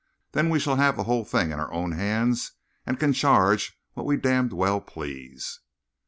Then we shall have the whole thing in our own hands and can charge what we damned well please."